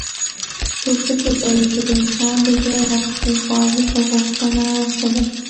څوک فکر کوي چې د انسان د زړه حقیقي خواهش او غوښتنه څه ده